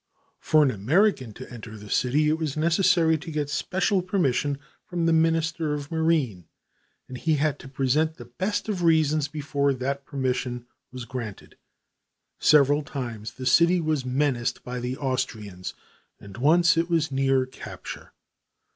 For an American to enter the city, it was necessary to get special permission from the Minister of Marine, and he had to present the best of reasons before that permission was granted. Several times the city was menaced by the Austrians and once it was near capture.